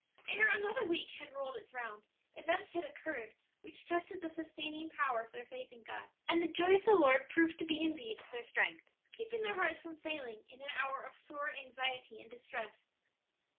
Ere another week had rolled its round, events had occurred which tested the sustaining power of their faith in God, and the joy of the Lord proved to be indeed their strength, keeping their hearts from failing in an hour of sore anxiety and distress.